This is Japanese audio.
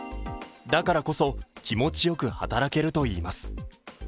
だからこそ、気持ちよく働けるといいます。